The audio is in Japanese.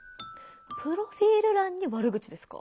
プロフィール欄に悪口ですか？